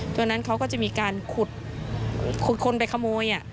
ตัวนั้นเขาก็จะมีการขุดคนไปขโมย